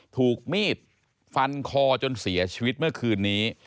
ถูกมีดฟันคอจนเสียชีวิตเมื่อคืนนี้